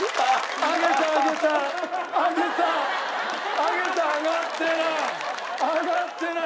上げた上がってない！